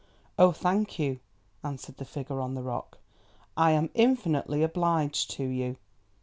"Oh, thank you," answered the figure on the rock. "I am infinitely obliged to you.